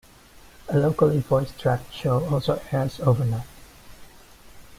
A locally voicetracked show also airs overnight.